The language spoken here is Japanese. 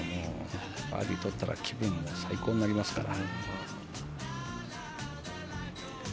バーディーとったら気分も最高になりますから。